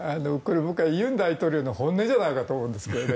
僕は尹大統領の本音じゃないかと思うんですけどね。